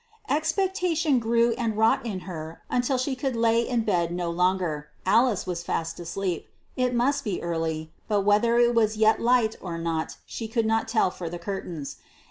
Expectation grew and wrought in her until she could lie in bed no longer. Alice was fast asleep. It must be early, but whether it was yet light or not she could not tell for the curtains.